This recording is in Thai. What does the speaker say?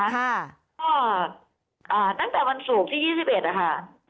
ก็ตั้งแต่วันศุกร์ที่๒๑นะคะ